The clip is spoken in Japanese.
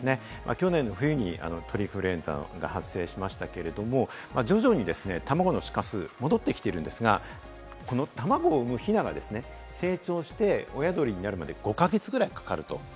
去年の冬に鳥インフルエンザが発生しましたけれども、徐々にたまごの出荷数が戻ってきているんですが、このたまごを産むヒナが成長して、親鳥になるのに５か月ぐらいかかると。